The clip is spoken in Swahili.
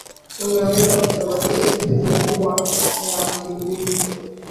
unaweza kushababisha tatizo kubwa ya wakimbizi